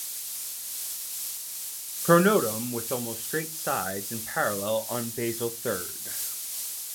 Pronotum with almost straight sides and parallel on basal third.